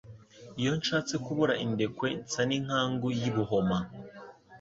Iyo nshatse kubura indekwe nsa n'inkangu y'i Buhoma.